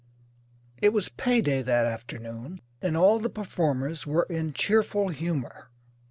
It was pay day that afternoon and all the performers were in cheerful humour.